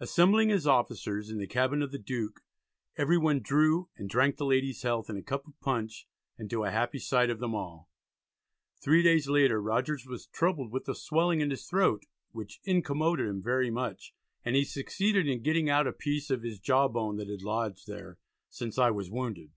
Assembling his officers in the cabin of the Duke "every one drew, and drank the lady's health in a cup of Punch, and to a happy sight of them all." Three days later Rogers was troubled with a swelling in his throat "which incommoded" him very much, and he succeeded in getting out a piece of his jaw bone that had lodged there "since I was wounded."